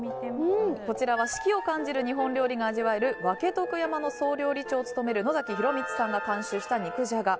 こちらは四季を感じる日本料理が味わえる分とく山の総料理長を務める野崎洋光さんが監修した肉じゃが。